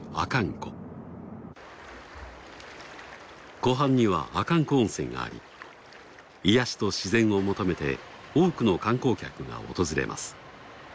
湖畔には阿寒湖温泉があり癒やしと自然を求めて多くの観光客が訪れます。